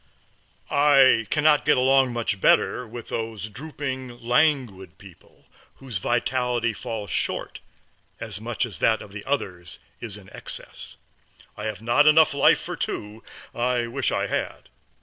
I can not get along much better with those drooping, languid people, whose vitality falls short as much as that of the others is in excess. I have not life enough for two; I wish I had.